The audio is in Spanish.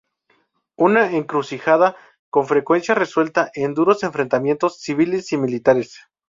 Una encrucijada con frecuencia resuelta en duros enfrentamientos civiles y militares.